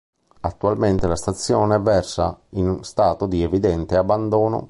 Attualmente la stazione versa in stato di evidente abbandono.